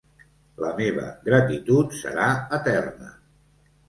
La meva gratitud serà eterna.